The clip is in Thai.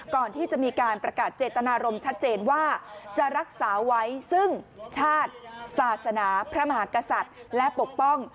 ก่อนที่จะมีการประกาศเจตนารมณ์ชัดเจนว่าจะรักษาไว้ซึ่งชาติศาสนาพระมหากษัตริย์และปกป้อง